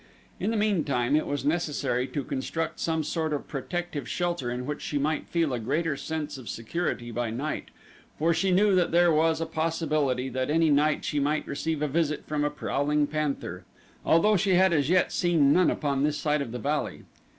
In the meantime it was necessary to construct some sort of protective shelter in which she might feel a greater sense of security by night, for she knew that there was a possibility that any night she might receive a visit from a prowling panther, although she had as yet seen none upon this side of the valley.